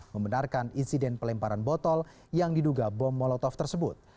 membenarkan insiden pelemparan botol yang diduga bom molotov tersebut